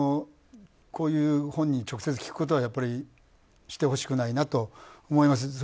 こういう、本人に直接聞くことはしてほしくないなと思います。